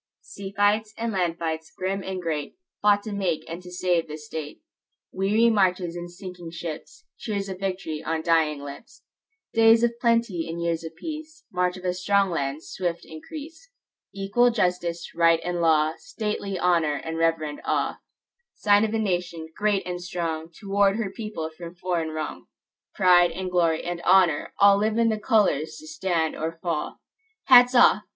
Sea fights and land fights, grim and great, Fought to make and to save the State:Weary marches and sinking ships; Cheers of victory on dying lips; Days of plenty and years of peace; March of a strong land's swift increase; Equal justice, right and law, Stately honor and reverend awe; Sign of a nation, great and strongTo ward her people from foreign wrong:Pride and glory and honor,—allLive in the colors to stand or fall. Hats off!